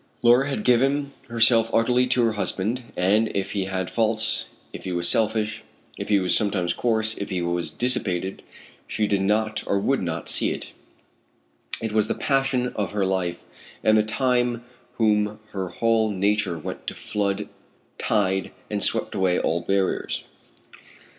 Laura had given herself utterly to her husband, and if he had faults, if he was selfish, if he was sometimes coarse, if he was dissipated, she did not or would not see it. It was the passion of her life, the time when her whole nature went to flood tide and swept away all barriers.